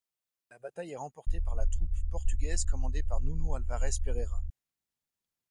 La bataille est remporté par la troupe portugaise commandée par Nuno Álvares Pereira.